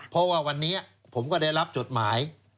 เพราะว่าวันนี้ผมก็ได้รับจดหมาย